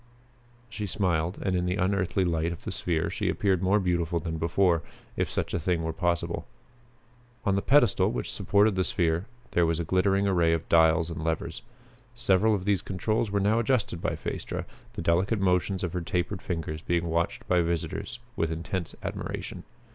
She smiled, and in the unearthly light of the sphere she appeared more beautiful than before, if such a thing were possible. On the pedestal which supported the sphere there was a glittering array of dials and levers. Several of these controls were now adjusted by Phaestra, the delicate motions of her tapered fingers being watched by the visitors with intense admiration.